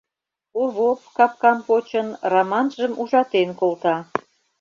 Овоп, капкам почын, Раманжым ужатен колта.